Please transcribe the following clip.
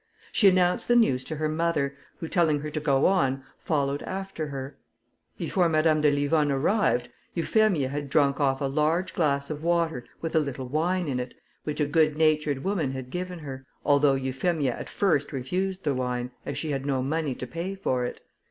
She announced the news to her mother, who telling her to go on, followed after her. Before Madame de Livonne arrived, Euphemia had drunk off a large glass of water, with a little wine in it, which a good natured woman had given her, although Euphemia at first refused the wine, as she had no money to pay for it.